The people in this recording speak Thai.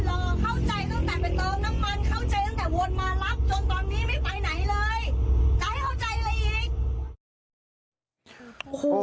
จนตอนนี้ไม่ไปไหนเลยจะให้เข้าใจอะไรอีก